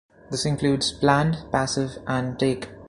This includes planned, passive, and take.